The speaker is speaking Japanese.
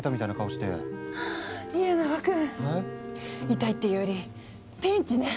痛いっていうよりピンチね。